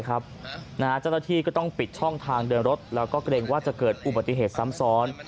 เจ้าหน้าที่ก็ต้องปิดช่องทางเดินรถแล้วก็เกรงว่าจะเกิดอุบัติเหตุซ้ำซ้อน